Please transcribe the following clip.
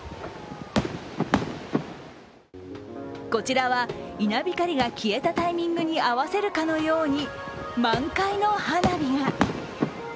こちらは稲光が消えたタイミングに合わせるかのように満開の花火が。